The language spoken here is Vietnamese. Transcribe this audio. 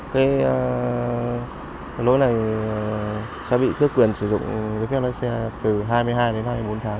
cái lỗi này sẽ bị tước quyền sử dụng giấy phép lái xe từ hai mươi hai đến hai mươi bốn tháng